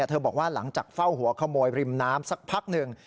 บอกว่าหลังจากเฝ้าหัวขโมยริมน้ำสักพักหนึ่ง